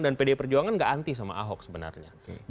dan pdi perjuangan nggak anti sama ahok sebenarnya